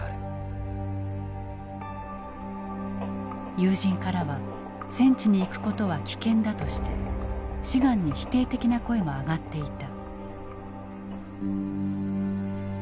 友人からは戦地に行くことは危険だとして志願に否定的な声も上がっていた。